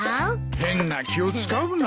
変な気を使うな。